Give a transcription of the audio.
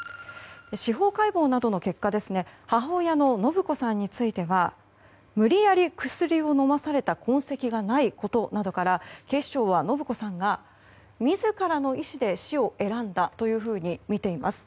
司法解剖などの結果母親の延子さんについては無理やり薬を飲まされた痕跡がないことなどから警視庁は、延子さんが自らの意思で死を選んだとみています。